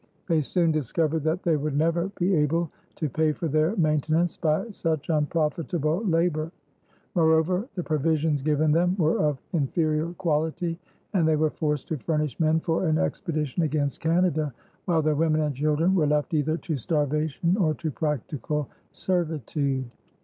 They soon discovered that they would never be able to pay for their maintenance by such unprofitable labor. Moreover, the provisions given them were of inferior quality; and they were forced to furnish men for an expedition against Canada while their women and children were left either to starvation or to practical servitude.